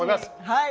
はい！